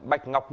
bạch ngọc nguyên